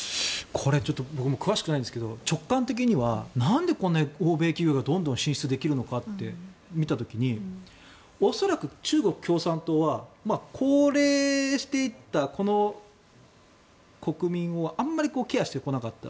これ僕も詳しくないですが直感的にはなんでこんなに欧米企業がどんどん進出できるのかって見た時に恐らく、中国共産党は高齢していったこの国民をあんまりケアしてこなかった。